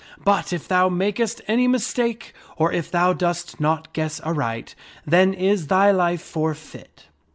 But if thou makest any mistake, or if thou dost not guess aright, then is thy life forfeit."